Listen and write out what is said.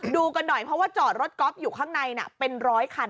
ดูกันหน่อยเพราะว่าจอดรถก๊อฟอยู่ข้างในเป็นร้อยคัน